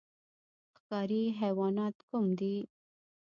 ښکاري حیوانات کوم دي؟